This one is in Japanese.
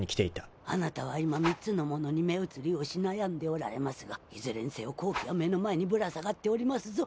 あなたは今３つのものに目移りをし悩んでおられますがいずれにせよ好機は目の前にぶら下がっておりますぞ。